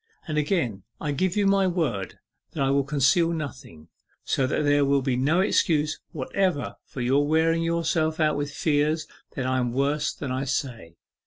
And again I give you my word that I will conceal nothing so that there will be no excuse whatever for your wearing yourself out with fears that I am worse than I say.